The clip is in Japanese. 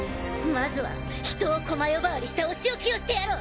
まずは人を駒呼ばわりしたお仕置きをしてやろう。